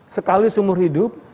sekali seumur hidup